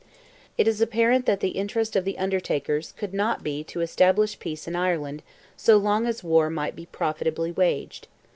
It is apparent that the interest of the Undertakers could not be to establish peace in Ireland so long as war might be profitably waged.